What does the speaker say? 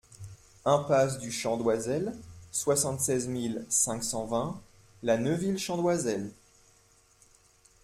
Impasse du Chant d'Oisel, soixante-seize mille cinq cent vingt La Neuville-Chant-d'Oisel